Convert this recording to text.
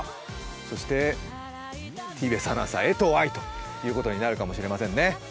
そしてＴＢＳアナウンサー江藤愛ということになるかもしれませんね。